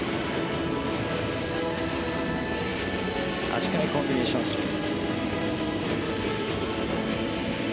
足換えコンビネーションスピン。